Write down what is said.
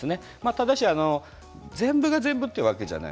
ただし全部が全部というわけではない。